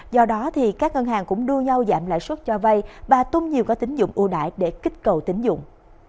do đó các ngân hàng cũng đua nhau giảm lãi suất cho vay và tung nhiều có tính dụng ưu đại để kích cầu tính dụng